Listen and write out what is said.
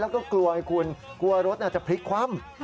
แล้วก็กลัวไอ้คุณกลัวรถจะพลิกคว่ำ